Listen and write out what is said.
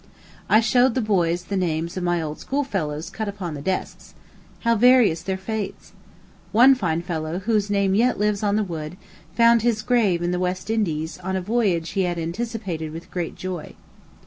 I showed the boys the names of my old school fellows cut upon the desks. How various their fates! One fine fellow, whose name yet lives on the wood, found his grave in the West Indies, on a voyage he had anticipated with great joy.